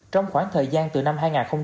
trong khoảng thời gian từ năm hai nghìn một mươi